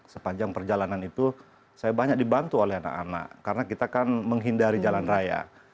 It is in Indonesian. sepanjang perjalanan itu saya banyak dibantu oleh anak anak karena kita kan menghindari jalan raya